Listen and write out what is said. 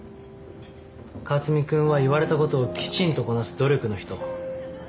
克巳君は言われたことをきちんとこなす努力の人。